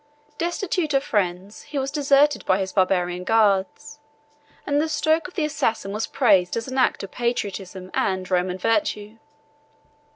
Destitute of friends, he was deserted by his Barbarian guards; and the stroke of the assassin was praised as an act of patriotism and Roman virtue.